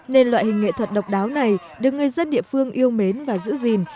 nên loại hình nghệ thuật độc đáo này được người dân địa phương yêu mến và giữ gìn